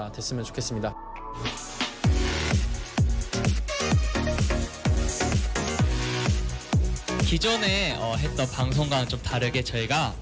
เรามาเมื่อไหร่ทำไมเรามาเมื่อไหร่